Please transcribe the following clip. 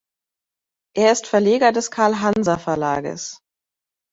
Er ist Verleger des Carl Hanser Verlages.